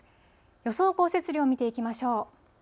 予想降雪量を見ていきましょう。